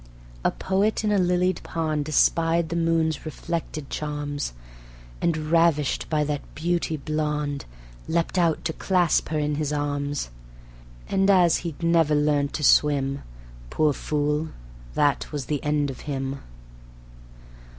A poet in a lilied pond Espied the moon's reflected charms, And ravished by that beauty blonde, Leapt out to clasp her in his arms. And as he'd never learnt to swim, Poor fool! that was the end of him.